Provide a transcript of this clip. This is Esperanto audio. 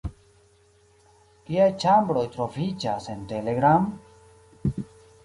Kiaj ĉambroj troviĝas en Telegram?